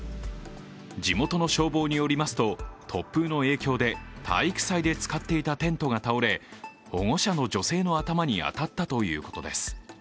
地元の消防によりますと、突風の影響で体育祭で使っていたテントが倒れ保護者の女性の頭に当たったということです。